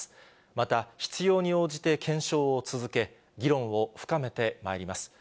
また、必要に応じて検証を続け、議論を深めてまいります。